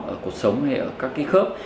ở cuộc sống hay ở các khớp